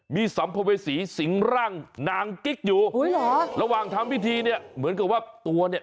มีสำโพเวศีสิงหรั่งนางกิ๊กอยู่ระหว่างทำพิธีเนี่ยเหมือนกับว่าตัวเนี่ย